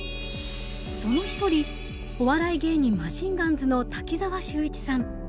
その一人お笑い芸人マシンガンズの滝沢秀一さん。